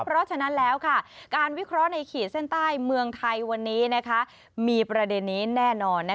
เพราะฉะนั้นแล้วการวิเคราะห์ในขีดเส้นใต้เมืองไทยวันนี้มีประเด็นนี้แน่นอน